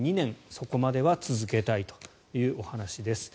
そこまでは続けたいというお話です。